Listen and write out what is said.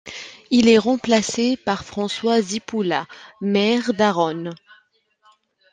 Il est remplacé par François Szypula, maire d'Arronnes.